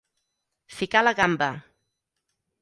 Ficar la gamba.